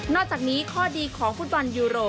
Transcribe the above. อกจากนี้ข้อดีของฟุตบอลยูโร